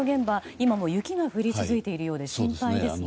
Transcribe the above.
今も雪が降り続いているようで心配ですね。